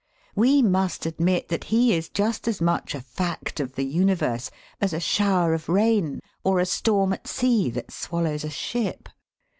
We must admit that he is just as much a fact of the universe as a shower of rain or a storm at sea that swallows a ship.